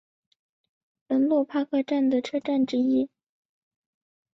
门洛帕克站的车站之一。